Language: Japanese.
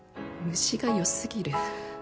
虫がよすぎる。